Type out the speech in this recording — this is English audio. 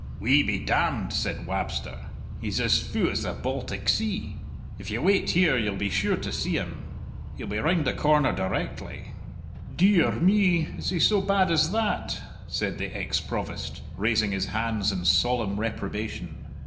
"Wee be damned," said Wabster; "he's as fou as the Baltic Sea! If you wait here, you'll be sure to see him! He'll be round the corner directly." "De ar me, is he so bad as that?" said the ex Provost, raising his hands in solemn reprobation.